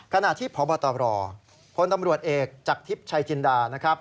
ขณะที่พบตรผลตำรวจเอกจากทิพย์ชายทินดา